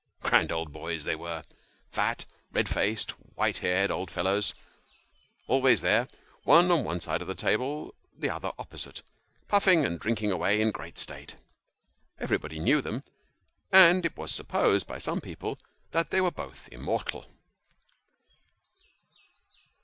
Grand old boys they were fat, red faced, white headed old fellows always there one on one side the table, and the other opposite puffing and drinking away in great state. Everybody knew them, and it was supposed by some people that they were both immortal.